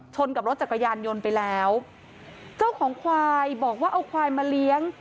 กับรถจักรยานยนต์ไปแล้วเจ้าของควายบอกว่าเอาควายมาเลี้ยง